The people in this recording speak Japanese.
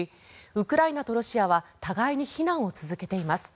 ウクライナとロシアは互いに非難を続けています。